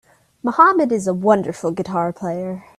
Mohammed is a wonderful guitar player.